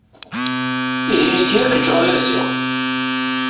Ihi nekki ad ak-ǧǧeɣ a Maziɣ.